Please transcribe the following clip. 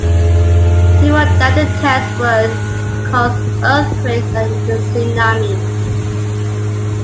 He wrote that the test would cause earthquakes and a tsunami.